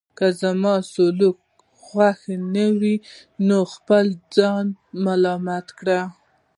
که زما سلوک نه خوښوئ نو خپل ځان ملامت کړئ.